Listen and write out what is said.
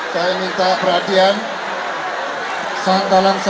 saya minta perhatian